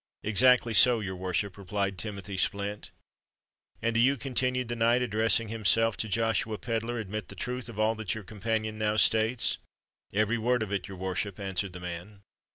"Exactly so, your worship," replied Timothy Splint. "And do you," continued the knight, addressing himself to Joshua Pedler, "admit the truth of all that your companion now states?" "Every word of it, your worship," answered the man.